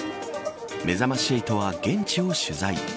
めざまし８は、現地を取材。